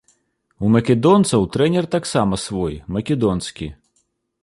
У македонцаў трэнер таксама свой, македонскі.